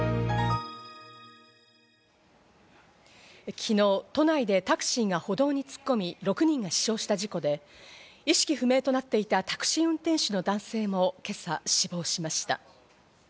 昨日、都内でタクシーが歩道に突っ込み６人が死傷した事故で、意識不明となっていたタクシー運転手の男性も今朝死亡しました。